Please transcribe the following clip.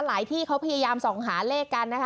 ที่เขาพยายามส่องหาเลขกันนะคะ